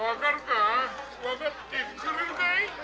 わかってくれるかい。